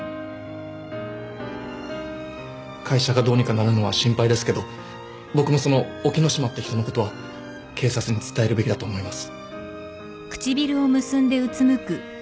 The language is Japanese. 会社がどうにかなるのは心配ですけど僕もその沖野島って人のことは警察に伝えるべきだと思います。